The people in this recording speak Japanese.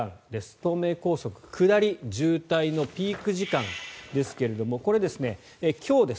東名高速下り渋滞のピーク時間ですがこれ、今日です